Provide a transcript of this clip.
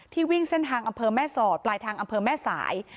วิ่งเส้นทางอำเภอแม่สอดปลายทางอำเภอแม่สาย